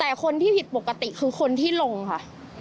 แต่คนที่ผิดปกติคือคนที่ลงค่ะ